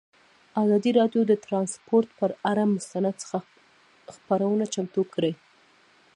ازادي راډیو د ترانسپورټ پر اړه مستند خپرونه چمتو کړې.